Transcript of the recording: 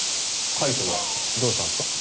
カイトはどうしたんですか？